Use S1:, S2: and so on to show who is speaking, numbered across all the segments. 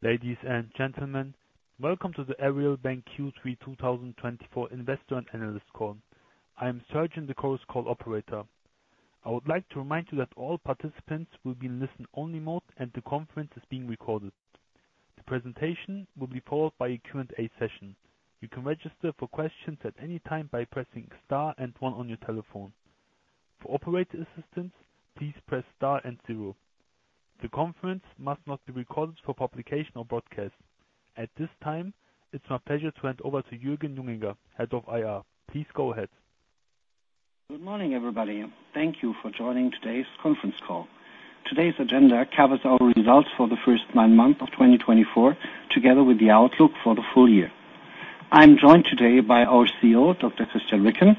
S1: Ladies and gentlemen, welcome to the Aareal Bank Q3 2024 Investor and Analyst Call. I am [Sergen] the Chorus Call Operator. I would like to remind you that all participants will be in listen-only mode and the conference is being recorded. The presentation will be followed by a Q&A session. You can register for questions at any time by pressing star and one on your telephone. For operator assistance, please press star and zero. The conference must not be recorded for publication or broadcast. At this time, it's my pleasure to hand over to Jürgen Junginger, Head of IR. Please go ahead.
S2: Good morning, everybody. Thank you for joining today's conference call. Today's agenda covers our results for the first nine months of 2024, together with the outlook for the full year. I'm joined today by our CEO, Dr. Christian Ricken,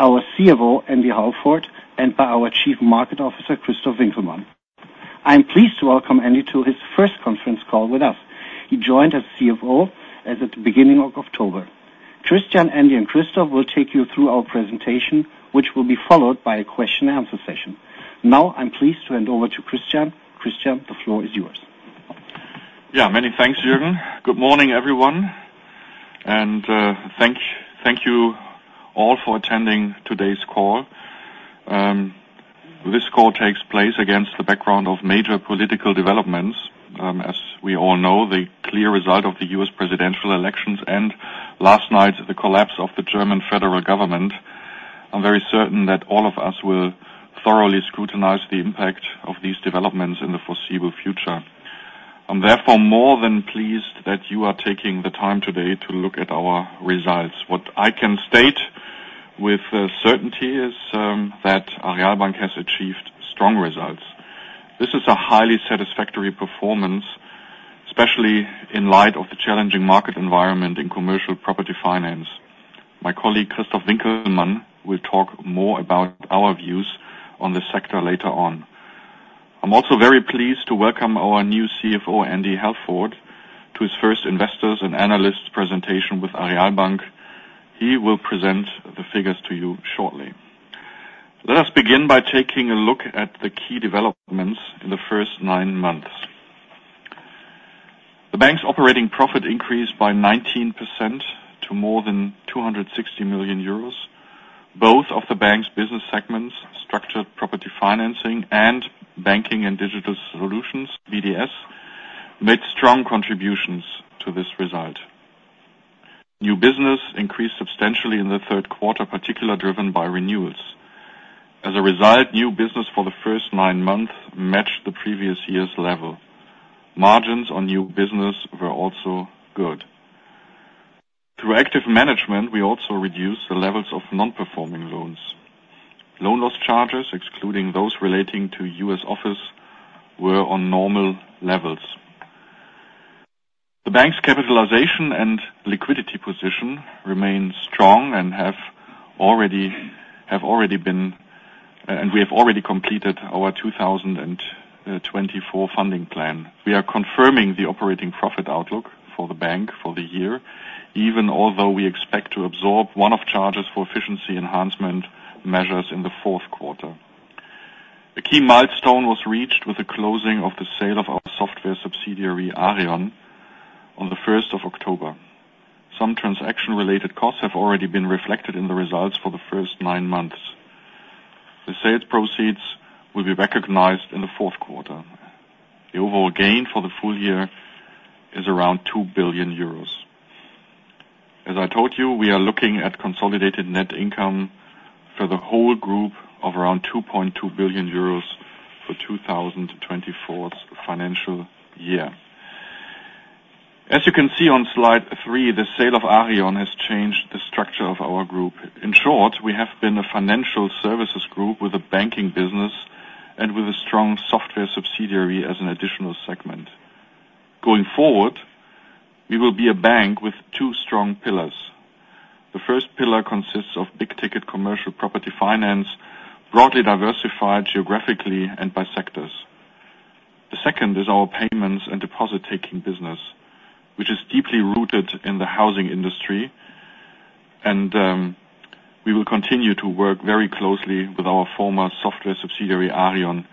S2: our CFO, Andy Halford, and by our Chief Market Officer, Christof Winkelmann. I'm pleased to welcome Andy to his first conference call with us. He joined as CFO at the beginning of October. Christian, Andy, and Christof will take you through our presentation, which will be followed by a question-and-answer session. Now, I'm pleased to hand over to Christian. Christian, the floor is yours.
S3: Yeah, many thanks, Jürgen. Good morning, everyone, and thank you all for attending today's call. This call takes place against the background of major political developments. As we all know, the clear result of the U.S. presidential elections and, last night, the collapse of the German federal government. I'm very certain that all of us will thoroughly scrutinize the impact of these developments in the foreseeable future. I'm therefore more than pleased that you are taking the time today to look at our results. What I can state with certainty is that Aareal Bank has achieved strong results. This is a highly satisfactory performance, especially in light of the challenging market environment in Commercial Property Finance. My colleague, Christof Winkelmann, will talk more about our views on the sector later on. I'm also very pleased to welcome our new CFO, Andy Halford, to his first investors and analysts presentation with Aareal Bank. He will present the figures to you shortly. Let us begin by taking a look at the key developments in the first nine months. The bank's operating profit increased by 19% to more than 260 million euros. Both of the bank's business segments, Structured Property Financing and Banking & Digital Solutions, BDS, made strong contributions to this result. New business increased substantially in the third quarter, particularly driven by renewals. As a result, new business for the first nine months matched the previous year's level. Margins on new business were also good. Through active management, we also reduced the levels of non-performing loans. Loan loss charges, excluding those relating to U.S. office, were on normal levels. The bank's capitalization and liquidity position remain strong, and we have already completed our 2024 funding plan. We are confirming the operating profit outlook for the bank for the year, even although we expect to absorb one-off charges for efficiency enhancement measures in the fourth quarter. A key milestone was reached with the closing of the sale of our software subsidiary, Aareon, on the 1st of October. Some transaction-related costs have already been reflected in the results for the first nine months. The sales proceeds will be recognized in the fourth quarter. The overall gain for the full year is around 2 billion euros. As I told you, we are looking at consolidated net income for the whole group of around 2.2 billion euros for 2024's financial year. As you can see on Slide 3, the sale of Aareon has changed the structure of our group. In short, we have been a financial services group with a banking business and with a strong software subsidiary as an additional segment. Going forward, we will be a bank with two strong pillars. The first pillar consists of big-ticket Commercial Property Finance, broadly diversified geographically and by sectors. The second is our payments and deposit-taking business, which is deeply rooted in the housing industry, and we will continue to work very closely with our former software subsidiary, Aareon,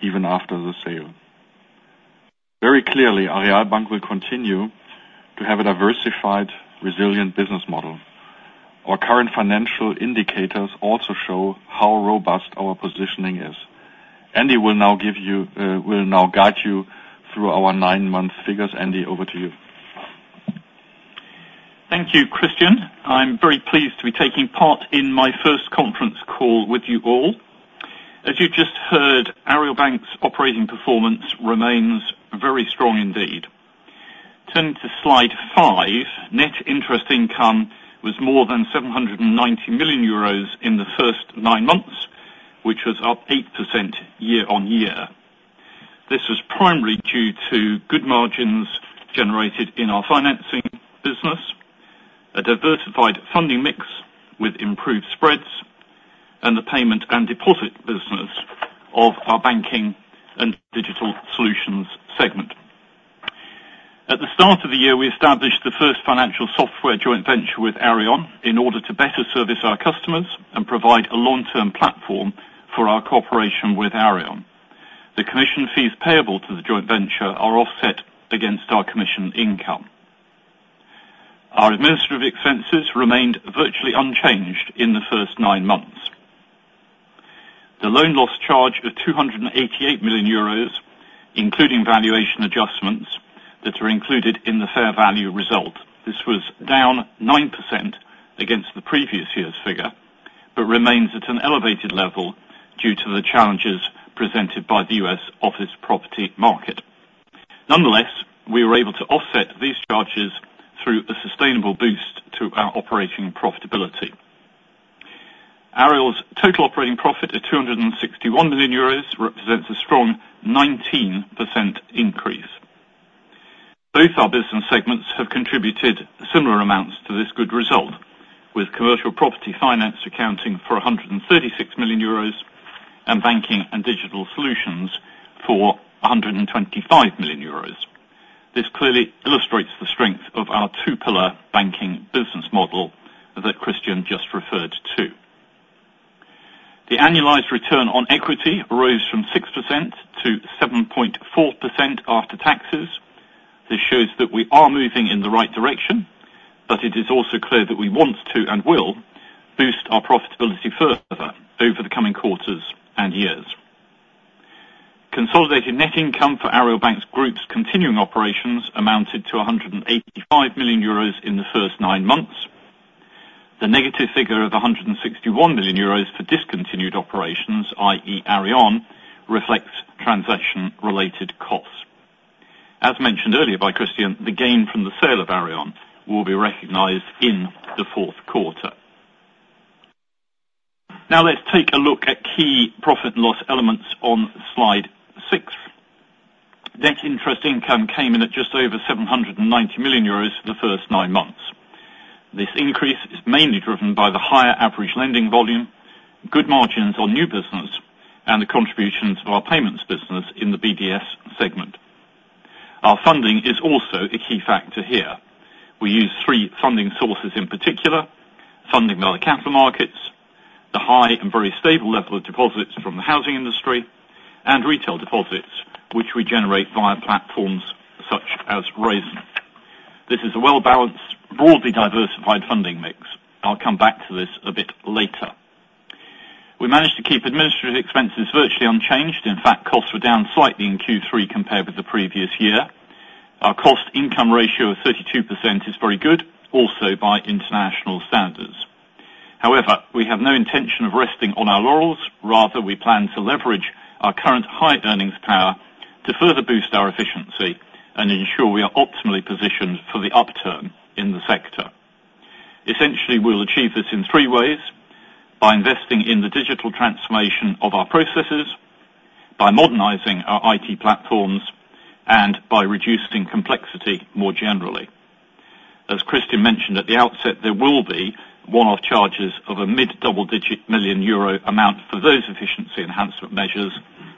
S3: even after the sale. Very clearly, Aareal Bank will continue to have a diversified, resilient business model. Our current financial indicators also show how robust our positioning is. Andy will now guide you through our nine-month figures. Andy, over to you.
S4: Thank you, Christian. I'm very pleased to be taking part in my first conference call with you all. As you just heard, Aareal Bank's operating performance remains very strong indeed. Turning to Slide 5, net interest income was more than 790 million euros in the first nine months, which was up 8% year-on-year. This was primarily due to good margins generated in our financing business, a diversified funding mix with improved spreads, and the payment and deposit business of our Banking & Digital Solutions segment. At the start of the year, we established the First Financial Software joint venture with Aareon in order to better service our customers and provide a long-term platform for our cooperation with Aareon. The commission fees payable to the joint venture are offset against our commission income. Our administrative expenses remained virtually unchanged in the first nine months. The loan loss charge of 288 million euros, including valuation adjustments that are included in the fair value result, was down 9% against the previous year's figure but remains at an elevated level due to the challenges presented by the U.S. office property market. Nonetheless, we were able to offset these charges through a sustainable boost to our operating profitability. Aareal's total operating profit of EUR 261 million represents a strong 19% increase. Both our business segments have contributed similar amounts to this good result, with Commercial Property Finance accounting for 136 million euros and Banking & Digital Solutions for 125 million euros. This clearly illustrates the strength of our two-pillar banking business model that Christian just referred to. The annualized return on equity rose from 6% to 7.4% after taxes. This shows that we are moving in the right direction, but it is also clear that we want to and will boost our profitability further over the coming quarters and years. Consolidated net income for Aareal Bank Group's continuing operations amounted to 185 million euros in the first nine months. The negative figure of 161 million euros for discontinued operations, i.e., Aareon, reflects transaction-related costs. As mentioned earlier by Christian, the gain from the sale of Aareon will be recognized in the fourth quarter. Now, let's take a look at key profit and loss elements on Slide 6. Net interest income came in at just over 790 million euros for the first nine months. This increase is mainly driven by the higher average lending volume, good margins on new business, and the contributions of our payments business in the BDS segment. Our funding is also a key factor here. We use three funding sources in particular: funding by the capital markets, the high and very stable level of deposits from the housing industry, and retail deposits, which we generate via platforms such as Raisin. This is a well-balanced, broadly diversified funding mix. I'll come back to this a bit later. We managed to keep administrative expenses virtually unchanged. In fact, costs were down slightly in Q3 compared with the previous year. Our cost-income ratio of 32% is very good, also by international standards. However, we have no intention of resting on our laurels. Rather, we plan to leverage our current high earnings power to further boost our efficiency and ensure we are optimally positioned for the upturn in the sector. Essentially, we'll achieve this in three ways: by investing in the digital transformation of our processes, by modernizing our IT platforms, and by reducing complexity more generally. As Christian mentioned at the outset, there will be one-off charges of a mid-double-digit million euro amount for those efficiency enhancement measures,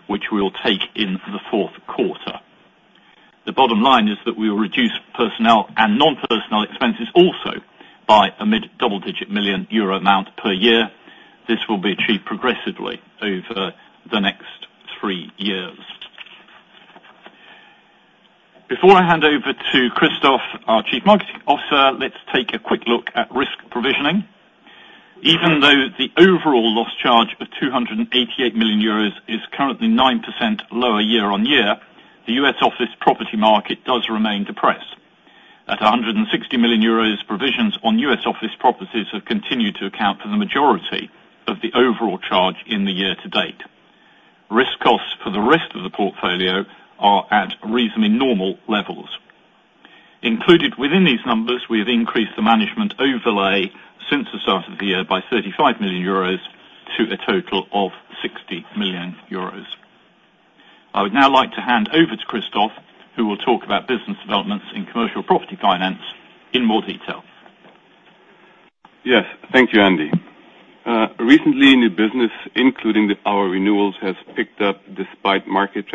S4: which we'll take in the fourth quarter. The bottom line is that we will reduce personnel and non-personnel expenses also by a mid-double-digit million euro amount per year. This will be achieved progressively over the next three years. Before I hand over to Christof, our Chief Market Officer, let's take a quick look at risk provisioning. Even though the overall loss charge of 288 million euros is currently 9% lower year-on-year, the U.S. office property market does remain depressed. At 160 million euros, provisions on U.S. office properties have continued to account for the majority of the overall charge in the year to date. Risk costs for the rest of the portfolio are at reasonably normal levels. Included within these numbers, we have increased the management overlay since the start of the year by 35 million euros to a total of 60 million euros. I would now like to hand over to Christof, who will talk about business developments in Commercial Property Finance in more detail.
S5: Yes, thank you, Andy. Recently, new business, including our renewals, has picked up despite market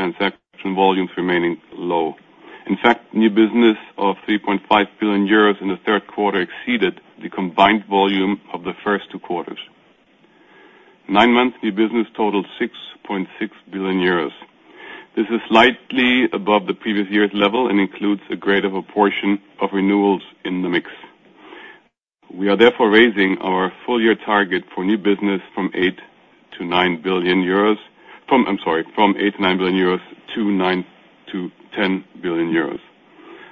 S5: transaction volumes remaining low. In fact, new business of 3.5 billion euros in the third quarter exceeded the combined volume of the first two quarters. Nine-month new business totaled 6.6 billion euros. This is slightly above the previous year's level and includes a greater proportion of renewals in the mix. We are therefore raising our full-year target for new business from 8 billion to 9 billion euros, I'm sorry, from 8 billion to 9 billion euros to 9 billion to 10 billion euros.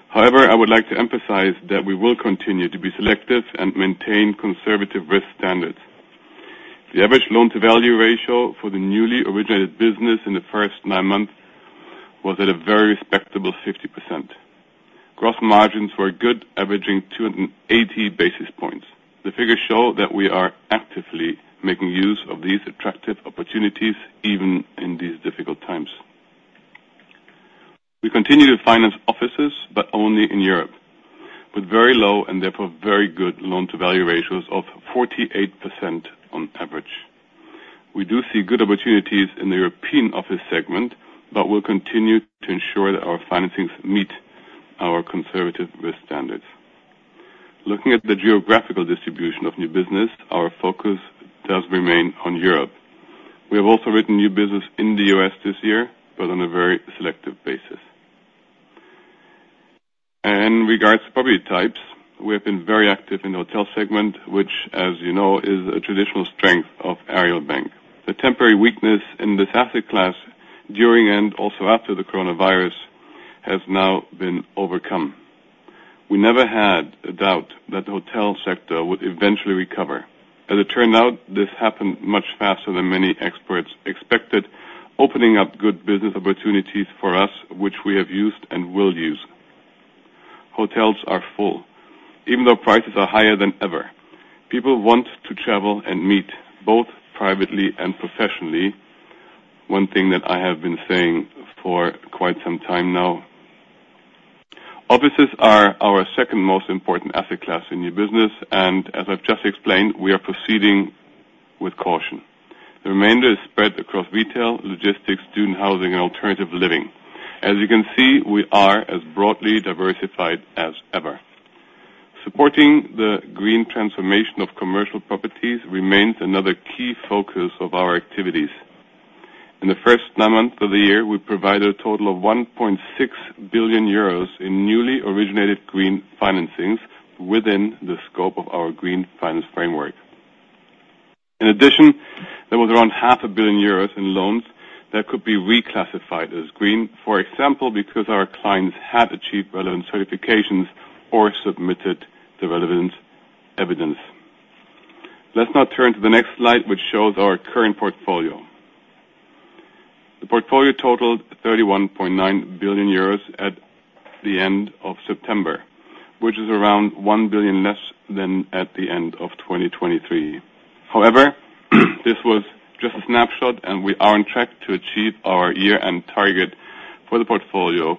S5: However, I would like to emphasize that we will continue to be selective and maintain conservative risk standards. The average loan-to-value ratio for the newly originated business in the first nine months was at a very respectable 50%. Gross margins were good, averaging 280 basis points. The figures show that we are actively making use of these attractive opportunities, even in these difficult times. We continue to finance offices, but only in Europe, with very low and therefore very good loan-to-value ratios of 48% on average. We do see good opportunities in the European office segment, but we'll continue to ensure that our financings meet our conservative risk standards. Looking at the geographical distribution of new business, our focus does remain on Europe. We have also written new business in the U.S. this year, but on a very selective basis. In regards to property types, we have been very active in the hotel segment, which, as you know, is a traditional strength of Aareal Bank. The temporary weakness in the asset class during and also after the coronavirus has now been overcome. We never had a doubt that the hotel sector would eventually recover. As it turned out, this happened much faster than many experts expected, opening up good business opportunities for us, which we have used and will use. Hotels are full, even though prices are higher than ever. People want to travel and meet, both privately and professionally, one thing that I have been saying for quite some time now. Offices are our second most important asset class in new business, and as I've just explained, we are proceeding with caution. The remainder is spread across retail, logistics, student housing, and alternative living. As you can see, we are as broadly diversified as ever. Supporting the green transformation of commercial properties remains another key focus of our activities. In the first nine months of the year, we provided a total of 1.6 billion euros in newly originated green financings within the scope of our Green Finance Framework. In addition, there was around 500 million euros in loans that could be reclassified as green, for example, because our clients had achieved relevant certifications or submitted the relevant evidence. Let's now turn to the next Slide, which shows our current portfolio. The portfolio totaled 31.9 billion euros at the end of September, which is around one billion less than at the end of 2023. However, this was just a snapshot, and we are on track to achieve our year-end target for the portfolio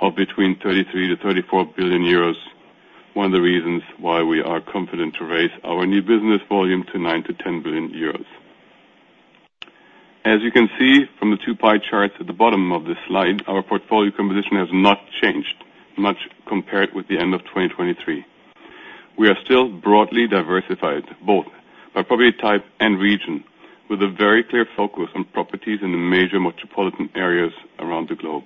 S5: of between 33 billion to 34 billion euros, one of the reasons why we are confident to raise our new business volume to 9 billion to 10 billion euros. As you can see from the two pie charts at the bottom of this Slide, our portfolio composition has not changed much compared with the end of 2023. We are still broadly diversified, both by property type and region, with a very clear focus on properties in the major metropolitan areas around the globe.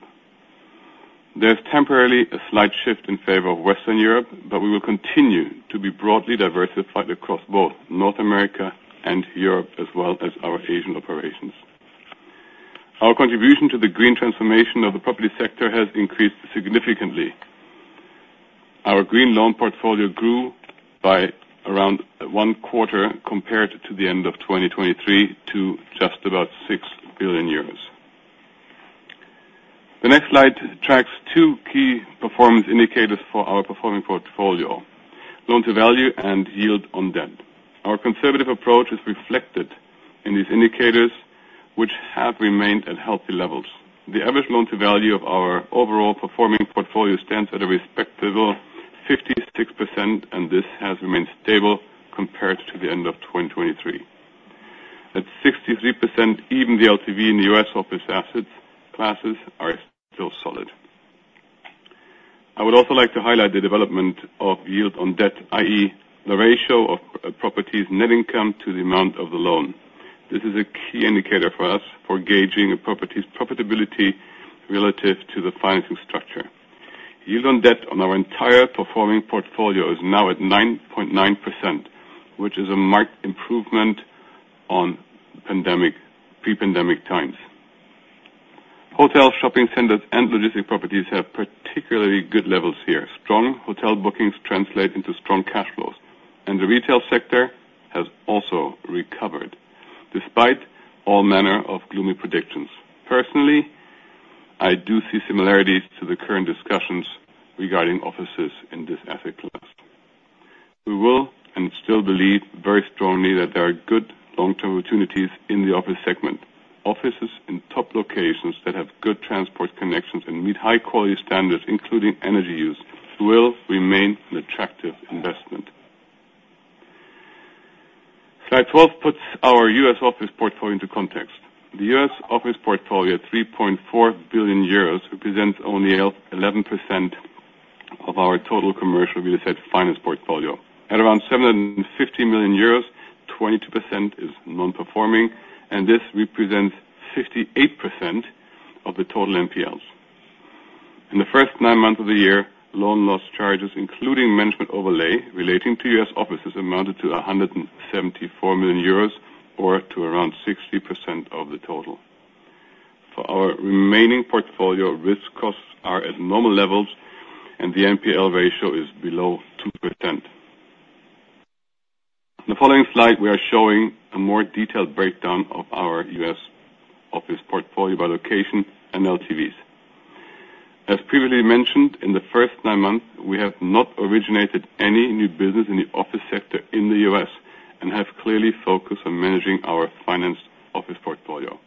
S5: There's temporarily a slight shift in favor of Western Europe, but we will continue to be broadly diversified across both North America and Europe, as well as our Asian operations. Our contribution to the green transformation of the property sector has increased significantly. Our green loan portfolio grew by around one quarter compared to the end of 2023 to just about 6 billion euros. The next Slide tracks two key performance indicators for our performing portfolio: loan-to-value and yield on debt. Our conservative approach is reflected in these indicators, which have remained at healthy levels. The average loan-to-value of our overall performing portfolio stands at a respectable 56%, and this has remained stable compared to the end of 2023. At 63%, even the LTV in the U.S. office asset classes are still solid. I would also like to highlight the development of yield on debt, i.e., the ratio of properties' net income to the amount of the loan. This is a key indicator for us for gauging a property's profitability relative to the financing structure. Yield on debt on our entire performing portfolio is now at 9.9%, which is a marked improvement on pre-pandemic times. Hotel shopping centers and logistic properties have particularly good levels here. Strong hotel bookings translate into strong cash flows, and the retail sector has also recovered despite all manner of gloomy predictions. Personally, I do see similarities to the current discussions regarding offices in this asset class. We will and still believe very strongly that there are good long-term opportunities in the office segment. Offices in top locations that have good transport connections and meet high-quality standards, including energy use, will remain an attractive investment. Slide 12 puts our U.S. office portfolio into context. The U.S. office portfolio at 3.4 billion euros represents only 11% of our total commercial real estate finance portfolio. At around 750 million euros, 22% is non-performing, and this represents 58% of the total NPLs. In the first nine months of the year, loan loss charges, including management overlay relating to U.S. offices, amounted to 174 million euros or to around 60% of the total. For our remaining portfolio, risk costs are at normal levels, and the NPL ratio is below 2%. In the following Slide, we are showing a more detailed breakdown of our U.S. office portfolio by location and LTVs. As previously mentioned, in the first nine months, we have not originated any new business in the office sector in the U.S. and have clearly focused on managing our financed office portfolio.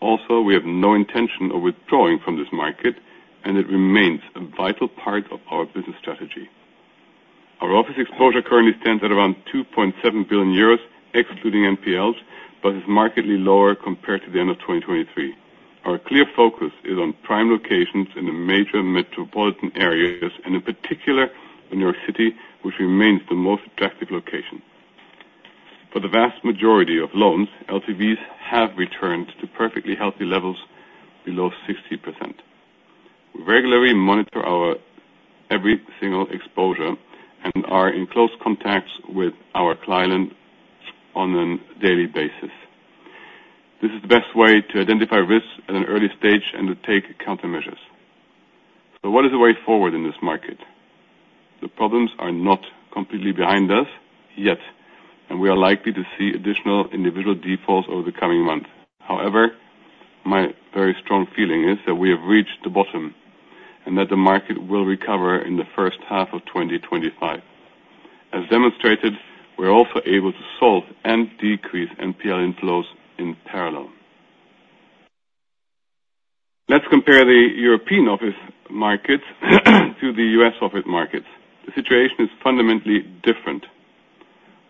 S5: Also, we have no intention of withdrawing from this market, and it remains a vital part of our business strategy. Our office exposure currently stands at around 2.7 billion euros, excluding NPLs, but is markedly lower compared to the end of 2023. Our clear focus is on prime locations in the major metropolitan areas, and in particular, New York City, which remains the most attractive location. For the vast majority of loans, LTVs have returned to perfectly healthy levels below 60%. We regularly monitor our every single exposure and are in close contact with our clients on a daily basis. This is the best way to identify risks at an early stage and to take countermeasures. So what is the way forward in this market? The problems are not completely behind us yet, and we are likely to see additional individual defaults over the coming months. However, my very strong feeling is that we have reached the bottom and that the market will recover in the first half of 2025. As demonstrated, we're also able to solve and decrease NPL inflows in parallel. Let's compare the European office markets to the U.S. office markets. The situation is fundamentally different.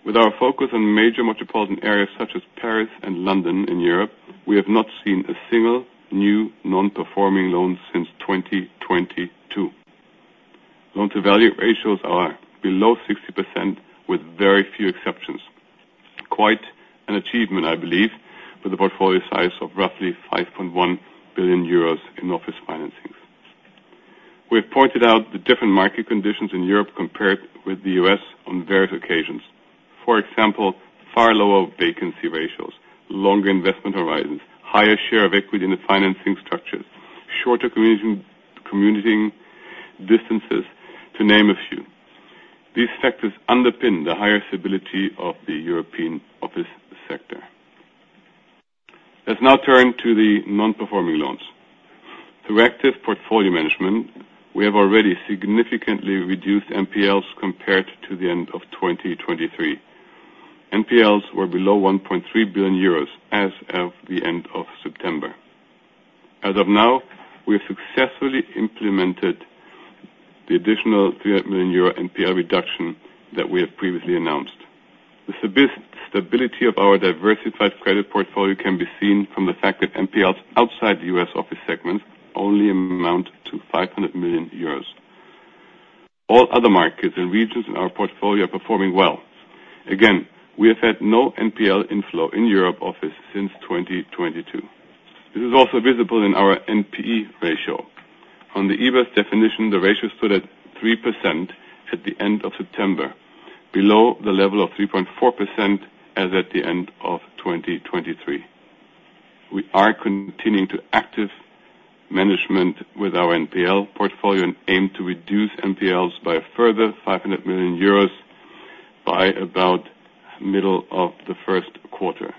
S5: With our focus on major metropolitan areas such as Paris and London in Europe, we have not seen a single new non-performing loan since 2022. Loan-to-value ratios are below 60%, with very few exceptions. Quite an achievement, I believe, with a portfolio size of roughly 5.1 billion euros in office financings. We have pointed out the different market conditions in Europe compared with the U.S. on various occasions. For example, far lower vacancy ratios, longer investment horizons, higher share of equity in the financing structures, shorter commuting distances, to name a few. These factors underpin the higher stability of the European office sector. Let's now turn to the non-performing loans. Through active portfolio management, we have already significantly reduced NPLs compared to the end of 2023. NPLs were below 1.3 billion euros as of the end of September. As of now, we have successfully implemented the additional 300 million euro NPL reduction that we have previously announced. The stability of our diversified credit portfolio can be seen from the fact that NPLs outside the U.S. office segments only amount to 500 million euros. All other markets and regions in our portfolio are performing well. Again, we have had no NPL inflow in Europe office since 2022. This is also visible in our NPE ratio. On the EBA Definition, the ratio stood at 3% at the end of September, below the level of 3.4% as at the end of 2023. We are continuing active management with our NPL portfolio and aim to reduce NPLs by a further 500 million euros by about the middle of the first quarter.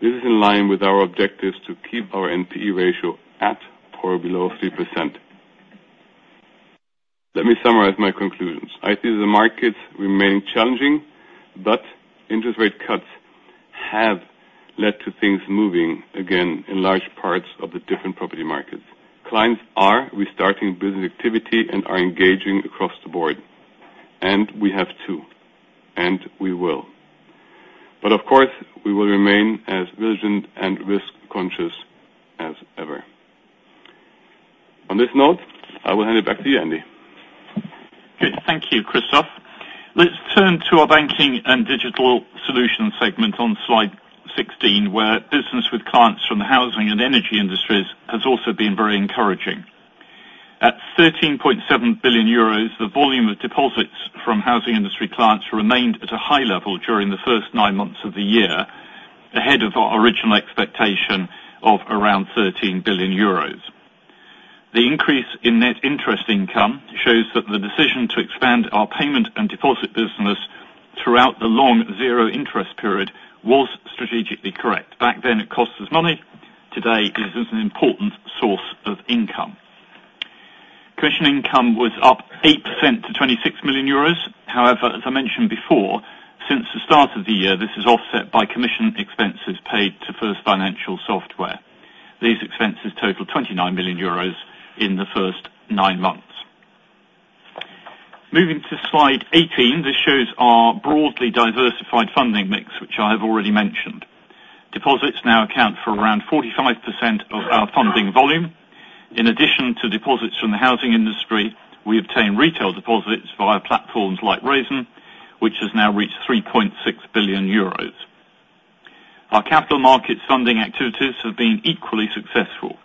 S5: This is in line with our objectives to keep our NPE ratio at or below 3%. Let me summarize my conclusions. I see the markets remaining challenging, but interest rate cuts have led to things moving again in large parts of the different property markets. Clients are restarting business activity and are engaging across the board, and we have to, and we will, but of course, we will remain as diligent and risk-conscious as ever. On this note, I will hand it back to you, Andy.
S4: Thank you, Christof. Let's turn to our banking and digital solution segment on Slide 16, where business with clients from the housing and energy industries has also been very encouraging. At EUR 13.7 billion, the volume of deposits from housing industry clients remained at a high level during the first nine months of the year, ahead of our original expectation of around 13 billion euros. The increase in net interest income shows that the decision to expand our payment and deposit business throughout the long zero-interest period was strategically correct. Back then, it cost us money. Today, it is an important source of income. Commission income was up 8% to 26 million euros. However, as I mentioned before, since the start of the year, this is offset by commission expenses paid to First Financial Software. These expenses totaled 29 million euros in the first nine months. Moving to Slide 18, this shows our broadly diversified funding mix, which I have already mentioned. Deposits now account for around 45% of our funding volume. In addition to deposits from the housing industry, we obtain retail deposits via platforms like Raisin, which has now reached 3.6 billion euros. Our capital markets funding activities have been equally successful.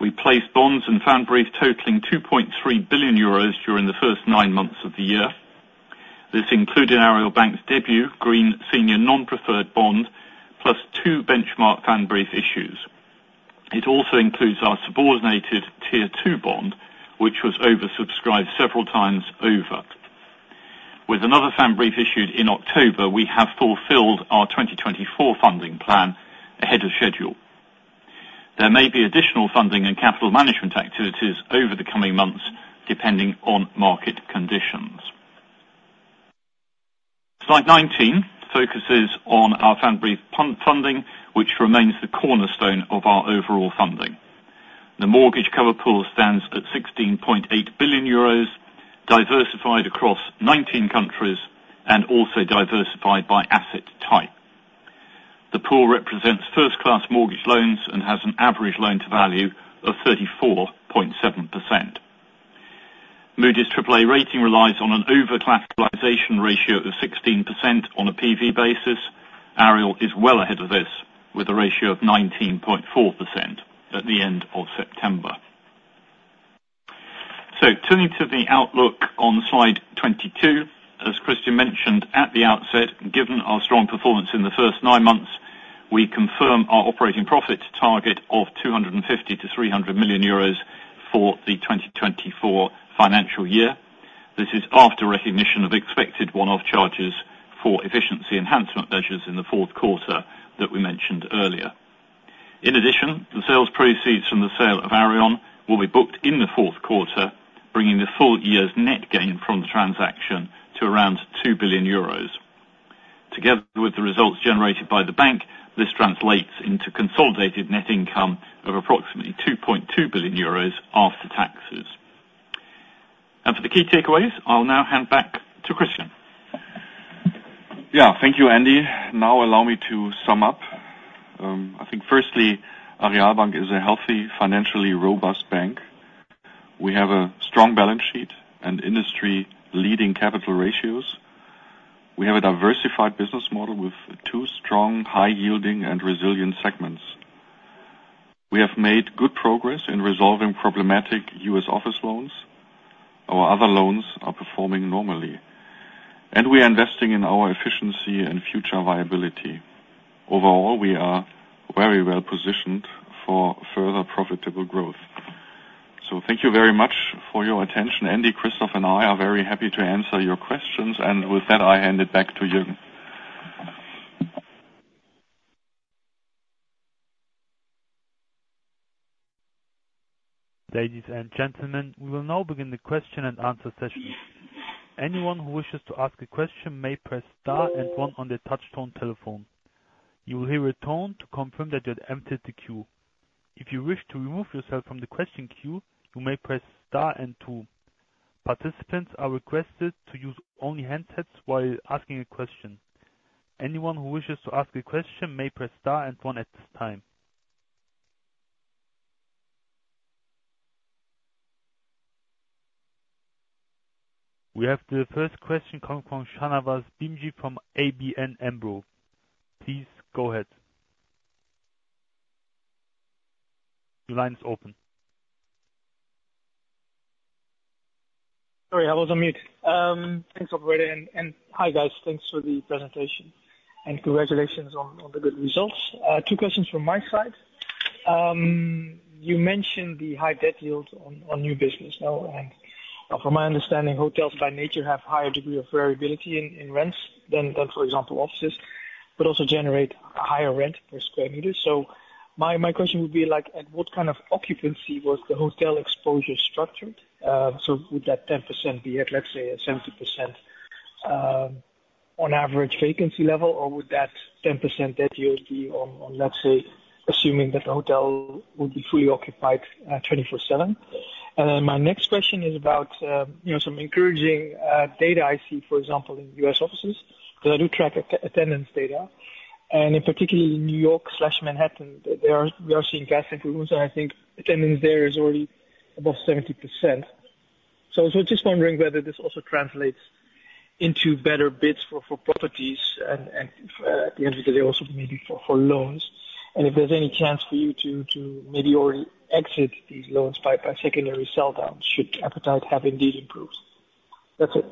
S4: We placed bonds and Pfandbriefe totaling 2.3 billion euros during the first nine months of the year. This included Aareal Bank's debut green senior non-preferred bond, plus two benchmark Pfandbrief issues. It also includes our subordinated Tier 2 bond, which was oversubscribed several times over. With another Pfandbrief issued in October, we have fulfilled our 2024 funding plan ahead of schedule. There may be additional funding and capital management activities over the coming months, depending on market conditions. Slide 19 focuses on our Pfandbrief funding, which remains the cornerstone of our overall funding. The mortgage cover pool stands at 16.8 billion euros, diversified across 19 countries and also diversified by asset type. The pool represents first-class mortgage loans and has an average loan-to-value of 34.7%. Moody's AAA rating relies on an over-collateralization ratio of 16% on a PV basis. Aareal is well ahead of this with a ratio of 19.4% at the end of September. Turning to the outlook on Slide 22, as Christian mentioned at the outset, given our strong performance in the first nine months, we confirm our operating profit target of 250-300 million euros for the 2024 financial year. This is after recognition of expected one-off charges for efficiency enhancement measures in the fourth quarter that we mentioned earlier. In addition, the sales proceeds from the sale of Aareon will be booked in the fourth quarter, bringing the full year's net gain from the transaction to around 2 billion euros. Together with the results generated by the bank, this translates into consolidated net income of approximately 2.2 billion euros after taxes, and for the key takeaways, I'll now hand back to Christian.
S3: Yeah, thank you, Andy. Now allow me to sum up. I think, firstly, Aareal Bank is a healthy, financially robust bank. We have a strong balance sheet and industry-leading capital ratios. We have a diversified business model with two strong, high-yielding, and resilient segments. We have made good progress in resolving problematic U.S. office loans. Our other loans are performing normally, and we are investing in our efficiency and future viability. Overall, we are very well positioned for further profitable growth, so thank you very much for your attention. Andy, Christof, and I are very happy to answer your questions, and with that, I hand it back to [Sergen].
S1: Ladies and gentlemen, we will now begin the question-and-answer session. Anyone who wishes to ask a question may press star and one on the touch-tone telephone. You will hear a tone to confirm that you have entered the queue. If you wish to remove yourself from the question queue, you may press star and two. Participants are requested to use only handsets while asking a question. Anyone who wishes to ask a question may press star and one at this time. We have the first question coming from Shanawaz Bhimji from ABN AMRO. Please go ahead. The line is open.
S6: Sorry, I was on mute. Thanks, Operator, and hi, guys. Thanks for the presentation and congratulations on the good results. Two questions from my side. You mentioned the high debt yield on new business. From my understanding, hotels by nature have a higher degree of variability in rents than, for example, offices, but also generate a higher rent per square meter. So my question would be, at what kind of occupancy was the hotel exposure structured? So would that 10% be at, let's say, a 70% on average vacancy level, or would that 10% debt yield be on, let's say, assuming that the hotel would be fully occupied 24/7? And then my next question is about some encouraging data I see, for example, in U.S. offices, because I do track attendance data. And in particular, in New York/Manhattan, we are seeing [gas increments], and I think attendance there is already above 70%. I was just wondering whether this also translates into better bids for properties, and at the end of the day, also maybe for loans. And if there's any chance for you to maybe already exit these loans by secondary sell-down, should appetite have indeed improved? That's it.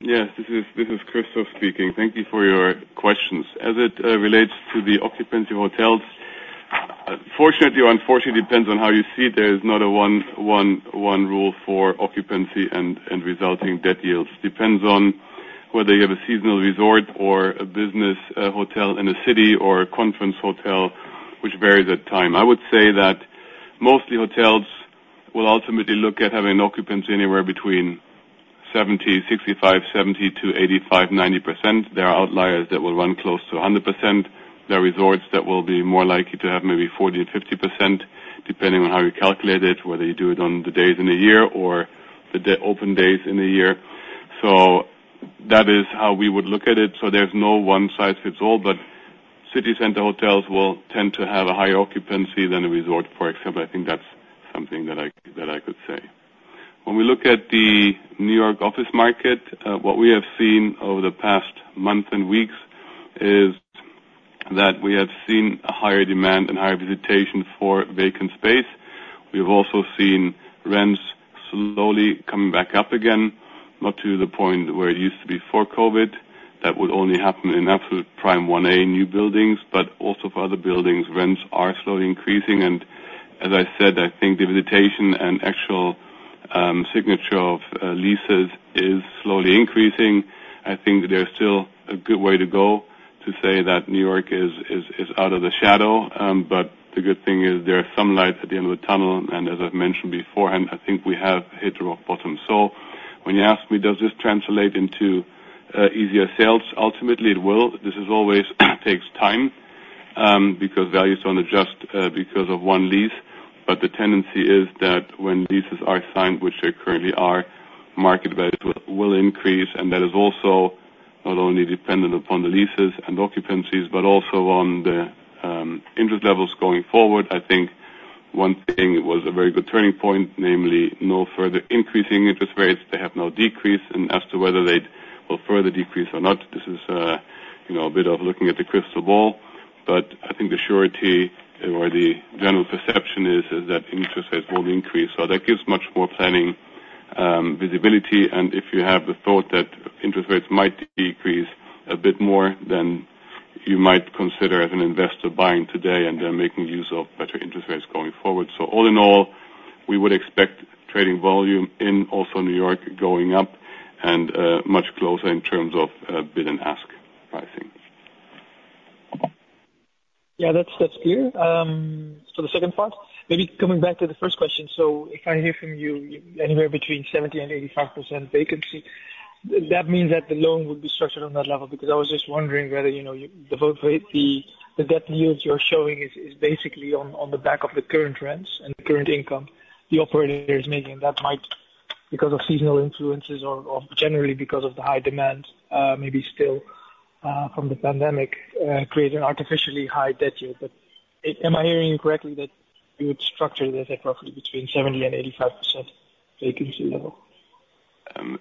S5: Yes, this is Christof speaking. Thank you for your questions. As it relates to the occupancy of hotels, fortunately or unfortunately, it depends on how you see it. There is not a one-rule for occupancy and resulting debt yields. It depends on whether you have a seasonal resort or a business hotel in a city or a conference hotel, which varies at times. I would say that mostly hotels will ultimately look at having occupancy anywhere between 65%-70% to 85%-90%. There are outliers that will run close to 100%. There are resorts that will be more likely to have maybe 40%-50%, depending on how you calculate it, whether you do it on the days in the year or the open days in the year. So that is how we would look at it. So there's no one-size-fits-all, but city center hotels will tend to have a higher occupancy than a resort, for example. I think that's something that I could say. When we look at the New York office market, what we have seen over the past month and weeks is that we have seen a higher demand and higher visitation for vacant space. We have also seen rents slowly coming back up again, not to the point where it used to be before COVID. That would only happen in absolute prime 1A new buildings, but also for other buildings, rents are slowly increasing. As I said, I think the visitation and actual signature of leases is slowly increasing. I think there's still a good way to go to say that New York is out of the shadow, but the good thing is there's some light at the end of the tunnel. As I've mentioned before, I think we have hit rock bottom. When you ask me, does this translate into easier sales? Ultimately, it will. This always takes time because values don't adjust because of one lease. The tendency is that when leases are signed, which they currently are, market values will increase. That is also not only dependent upon the leases and occupancies, but also on the interest levels going forward. I think one thing was a very good turning point, namely no further increasing interest rates. They have now decreased. As to whether they will further decrease or not, this is a bit of looking at the crystal ball. I think the surety or the general perception is that interest rates will increase. That gives much more planning visibility. And if you have the thought that interest rates might decrease a bit more, then you might consider as an investor buying today and then making use of better interest rates going forward. All in all, we would expect trading volume in also New York going up and much closer in terms of bid and ask pricing.
S6: Yeah, that's clear. The second part, maybe coming back to the first question. If I hear from you anywhere between 70% and 85% vacancy, that means that the loan would be structured on that level? Because I was just wondering whether the debt yields you're showing is basically on the back of the current rents and current income the operator is making. That might, because of seasonal influences or generally because of the high demand, maybe still from the pandemic, create an artificially high debt yield. But am I hearing you correctly that you would structure it as a roughly between 70% and 85% vacancy level?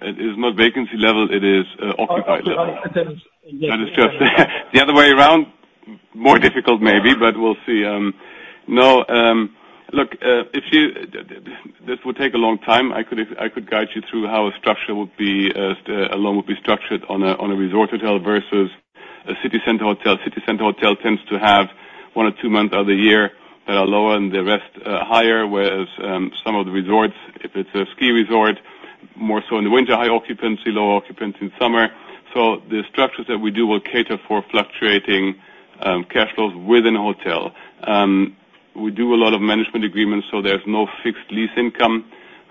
S5: It is not vacancy level. It is occupied level. That is just the other way around, more difficult maybe, but we'll see. No, look, this would take a long time. I could guide you through how a structure would be a loan would be structured on a resort hotel versus a city center hotel. City center hotel tends to have one or two months of the year that are lower and the rest higher, whereas some of the resorts, if it's a ski resort, more so in the winter, high occupancy, low occupancy in summer. So the structures that we do will cater for fluctuating cash flows within a hotel. We do a lot of management agreements, so there's no fixed lease income.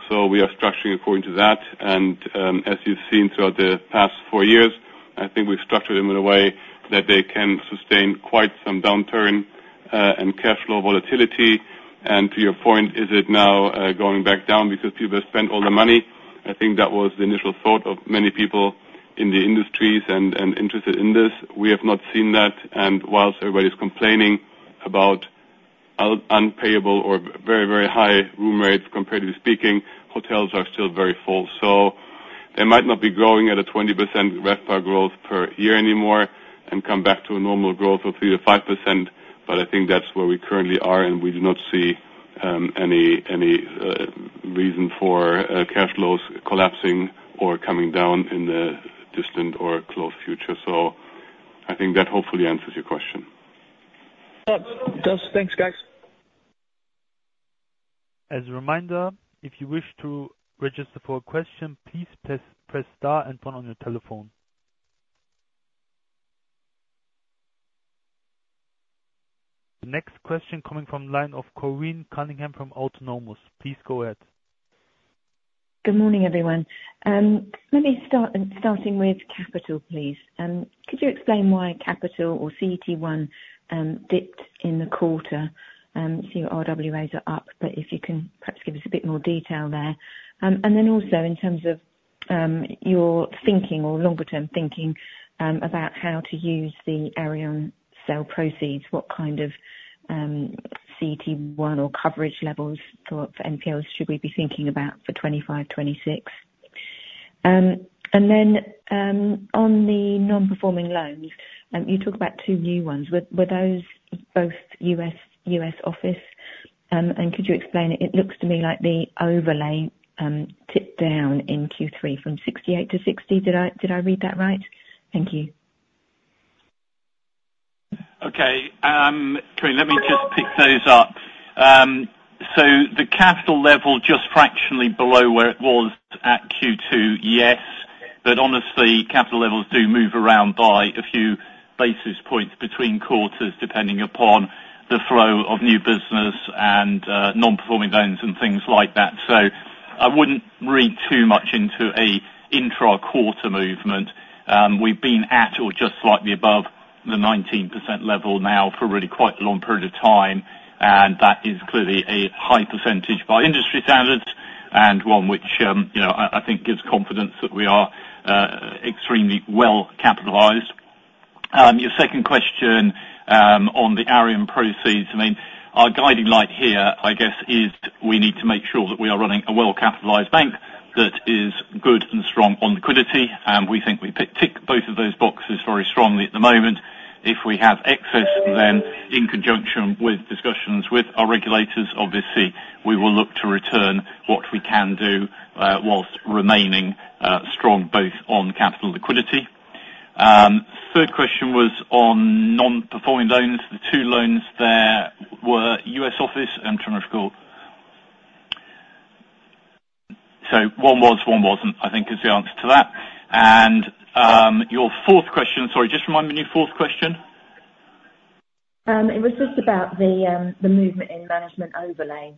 S5: So we are structuring according to that. And as you've seen throughout the past four years, I think we've structured them in a way that they can sustain quite some downturn and cash flow volatility. And to your point, is it now going back down because people have spent all the money? I think that was the initial thought of many people in the industries and interested in this. We have not seen that. Whilst everybody's complaining about unpayable or very, very high room rates comparatively speaking, hotels are still very full. So they might not be growing at a 20% growth per year anymore and come back to a normal growth of 3%-5%. But I think that's where we currently are, and we do not see any reason for cash flows collapsing or coming down in the distant or close future. So I think that hopefully answers your question.
S6: Thanks, guys.
S1: As a reminder, if you wish to register for a question, please press star and one on your telephone. The next question coming from the line of Corinne Cunningham from Autonomous. Please go ahead.
S7: Good morning, everyone. Let me start with capital, please. Could you explain why capital or CET1 dipped in the quarter? I see your RWAs are up, but if you can perhaps give us a bit more detail there. And then also in terms of your thinking or longer-term thinking about how to use the Aareon sale proceeds, what kind of CET1 or coverage levels for NPLs should we be thinking about for 25, 26? And then on the non-performing loans, you talk about two new ones. Were those both U.S. office? And could you explain it? It looks to me like the overlay tipped down in Q3 from 68 to 60. Did I read that right? Thank you.
S4: Okay. Corinne, let me just pick those up. So the capital level just fractionally below where it was at Q2, yes. But honestly, capital levels do move around by a few basis points between quarters, depending upon the flow of new business and non-performing loans and things like that. I wouldn't read too much into an intra-quarter movement. We've been at or just slightly above the 19% level now for really quite a long period of time. And that is clearly a high percentage by industry standards and one which I think gives confidence that we are extremely well capitalized. Your second question on the Aareal proceeds, I mean, our guiding light here, I guess, is we need to make sure that we are running a well-capitalized bank that is good and strong on liquidity. And we think we tick both of those boxes very strongly at the moment. If we have excess, then in conjunction with discussions with our regulators, obviously, we will look to return what we can do whilst remaining strong both on capital liquidity. Third question was on non-performing loans. The two loans there were U.S. office. I'm trying to recall. One was, one wasn't, I think, is the answer to that. And your fourth question, sorry, just remind me of your fourth question.
S7: It was just about the movement in management overlay.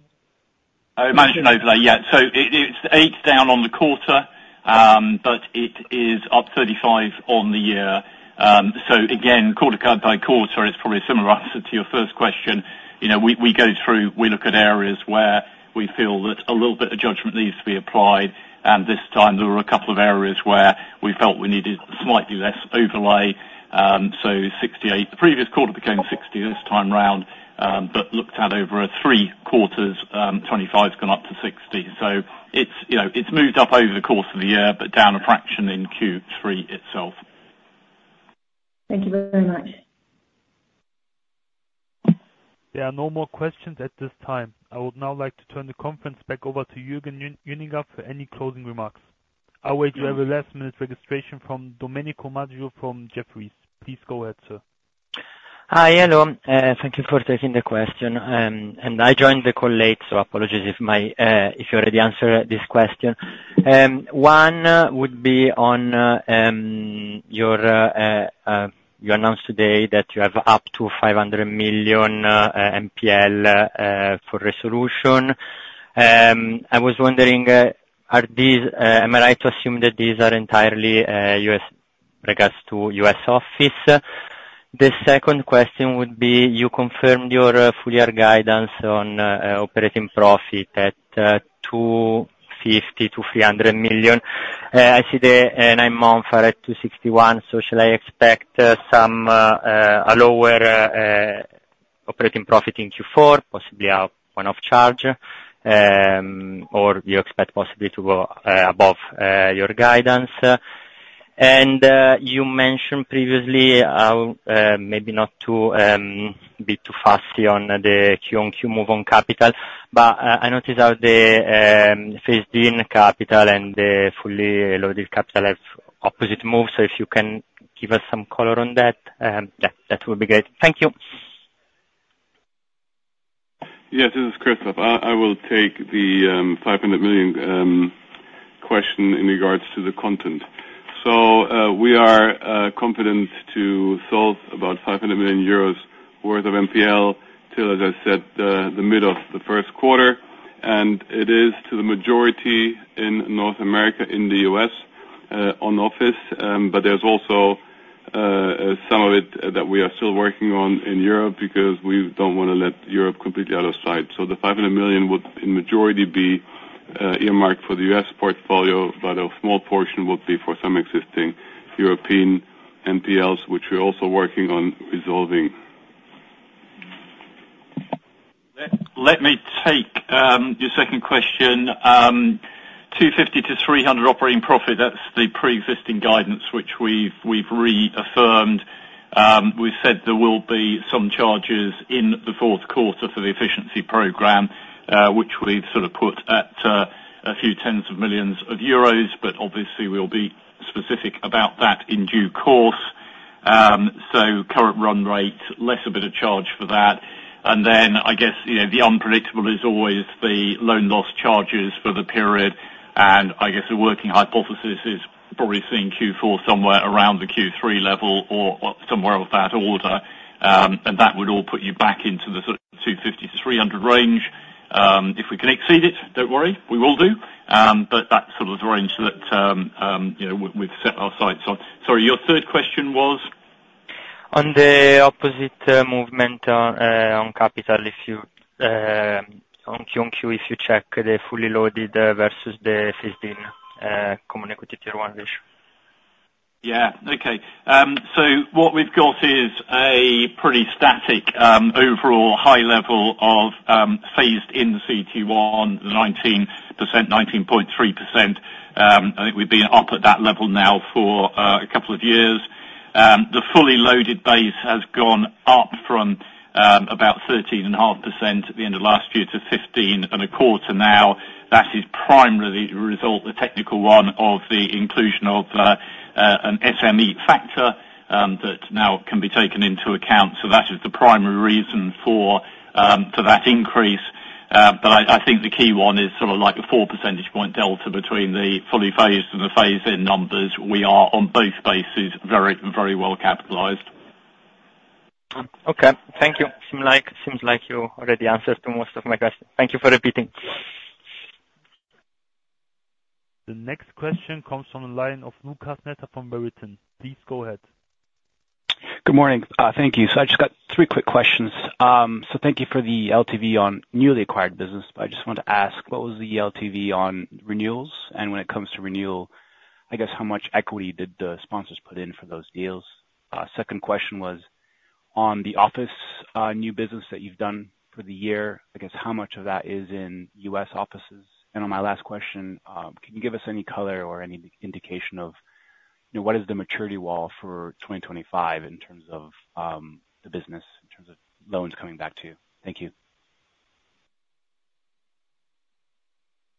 S4: Management overlay, yeah. So it's eight down on the quarter, but it is up 35 on the year. So again, quarter by quarter, it's probably a similar answer to your first question. We go through, we look at areas where we feel that a little bit of judgment needs to be applied. And this time, there were a couple of areas where we felt we needed slightly less overlay. So 68. The previous quarter became 60 this time around, but looked at over three quarters, 25 has gone up to 60. So it's moved up over the course of the year, but down a fraction in Q3 itself.
S7: Thank you very much.
S1: There are no more questions at this time. I would now like to turn the conference back over to Jürgen Junginger for any closing remarks. I'll wait to have a last-minute registration from Domenico Maggio from Jefferies. Please go ahead, sir.
S8: Hi, hello. Thank you for taking the question. And I joined the call late, so apologies if you already answered this question. One would be on your announcement today that you have up to 500 million NPL for resolution. I was wondering, am I right to assume that these are entirely regards to U.S. office? The second question would be, you confirmed your full-year guidance on operating profit at 250 million-300 million. I see the nine-month RF to 61 million. So should I expect some lower operating profit in Q4, possibly one-off charge, or do you expect possibly to go above your guidance? You mentioned previously, maybe not to be too fussy on the Q1 Q move on capital, but I noticed how the phased-in capital and the fully loaded capital have opposite moves. So if you can give us some color on that, that would be great. Thank you.
S5: Yes, this is Christof. I will take the 500 million question in regards to the content. We are confident to solve about 500 million euros worth of NPL till, as I said, the middle of the first quarter. It is to the majority in North America, in the U.S., on office. There's also some of it that we are still working on in Europe because we don't want to let Europe completely out of sight. The 500 million would in majority be earmarked for the U.S. portfolio, but a small portion would be for some existing European NPLs, which we're also working on resolving.
S4: Let me take your second question. 250 million-300 million operating profit, that's the pre-existing guidance, which we've reaffirmed. We've said there will be some charges in the fourth quarter for the efficiency program, which we've sort of put at a few tens of millions euros. But obviously, we'll be specific about that in due course. Current run rate, less a bit of charge for that. The unpredictable is always the loan loss charges for the period. The working hypothesis is probably seeing Q4 somewhere around the Q3 level or somewhere of that order. That would all put you back into the sort of 250 million-300 million range. If we can exceed it, don't worry, we will do. But that's sort of the range that we've set our sights on. Sorry, your third question was?
S8: On the opposite movement on capital, on Q1, if you check the fully loaded versus the phased-in Common Equity Tier 1 ratio.
S4: Yeah. Okay. So what we've got is a pretty static overall high level of phased-in CET1, 19%, 19.3%. I think we've been up at that level now for a couple of years. The fully loaded base has gone up from about 13.5% at the end of last year to 15.25% now. That is primarily the result, the technical one, of the inclusion of an SME factor that now can be taken into account. So that is the primary reason for that increase. But I think the key one is sort of like a four percentage point delta between the fully phased and the phased-in numbers. We are, on both bases, very, very well capitalized.
S8: Okay. Thank you. Seems like you already answered most of my questions. Thank you for repeating.
S1: The next question comes from the line of Lukas [Messer] from [Meriton]. Please go ahead. Good morning.
S9: Thank you. So I just got three quick questions. So thank you for the LTV on newly acquired business, but I just wanted to ask, what was the LTV on renewals? And when it comes to renewal, I guess how much equity did the sponsors put in for those deals? Second question was on the office new business that you've done for the year, I guess how much of that is in U.S. offices? On my last question, can you give us any color or any indication of what is the maturity wall for 2025 in terms of the business, in terms of loans coming back to you? Thank you.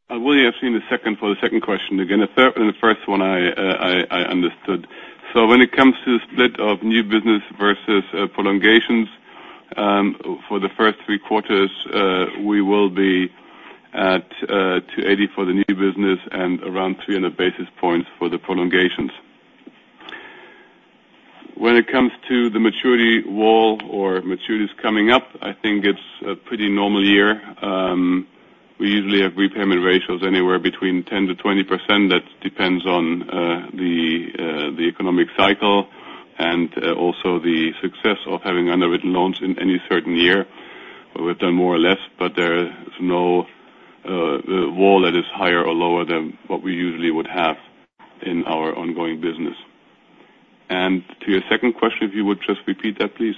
S3: I will have seen the second for the second question again. The first one I understood. So when it comes to the split of new business versus prolongations, for the first three quarters, we will be at 280 for the new business and around 300 basis points for the prolongations. When it comes to the maturity wall or maturities coming up, I think it's a pretty normal year. We usually have repayment ratios anywhere between 10%-20%. That depends on the economic cycle and also the success of having underwritten loans in any certain year. We've done more or less, but there is no wall that is higher or lower than what we usually would have in our ongoing business. And to your second question, if you would just repeat that, please.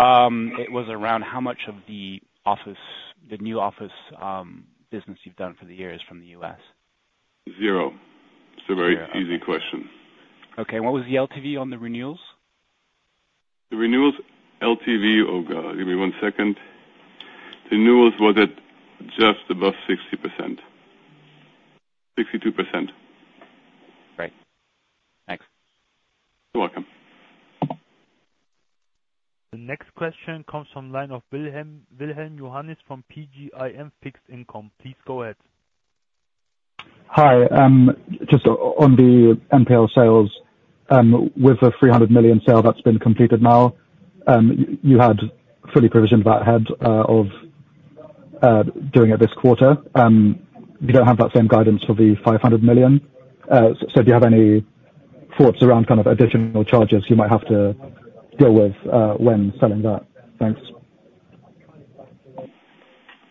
S10: It was around how much of the new office business you've done for the year is from the U.S.?
S3: Zero. It's a very easy question.
S9: Okay. And what was the LTV on the renewals?
S3: The renewals, LTV, oh God, give me one second. The new ones were at just above 60%. 62%.
S9: Great. Thanks.
S3: You're welcome.
S1: The next question comes from the line of Wilhelm Johannis from PGIM Fixed Income. Please go ahead.
S11: Hi. Just on the NPL sales, with the 300 million sale that's been completed now, you had fully provisioned that ahead of doing it this quarter. You don't have that same guidance for the 500 million. So do you have any thoughts around kind of additional charges you might have to deal with when selling that? Thanks.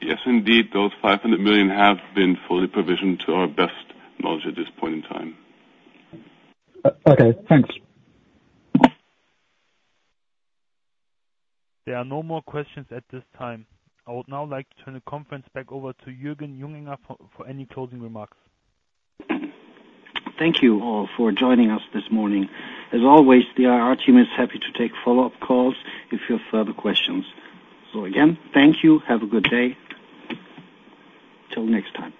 S3: Yes, indeed. Those 500 million have been fully provisioned to our best knowledge at this point in time.
S11: Okay. Thanks.
S1: There are no more questions at this time. I would now like to turn the conference back over to Jürgen Junginger for any closing remarks.
S2: Thank you all for joining us this morning. As always, the IR team is happy to take follow-up calls if you have further questions. So again, thank you. Have a good day. Till next time.